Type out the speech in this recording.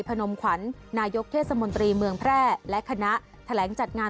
พนมขวัญนายกเทศมนตรีเมืองแพร่และคณะแถลงจัดงาน